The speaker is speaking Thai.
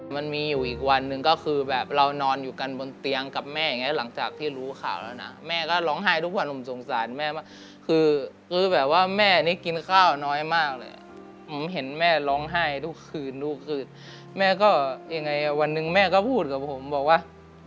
มันมีอยู่อีกวันหนึ่งก็คือแบบเรานอนอยู่กันบนเตียงกับแม่อย่างนี้หลังจากที่รู้ข่าวแล้วนะแม่ก็ร้องไห้ทุกวันผมสงสารแม่มากคือคือแบบว่าแม่นี่กินข้าวน้อยมากเลยผมเห็นแม่ร้องไห้ทุกคืนทุกคืนแม่ก็ยังไงวันหนึ่งแม่ก็พูดกับผมบอกว่า